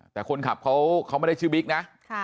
แต่คนขับเขาไม่ได้ชื่อบิ๊กนะ